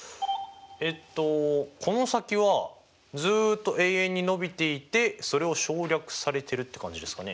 えっとこの先はずっと永遠にのびていてそれを省略されてるって感じですかね。